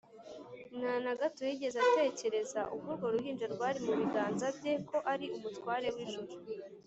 Nta na gato yigeze atekereza, ubwo urwo ruhinja rwari mu biganza bye, ko ari Umutware w’ijuru